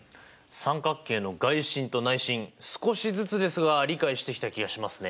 三角形の外心と内心少しずつですが理解してきた気がしますね。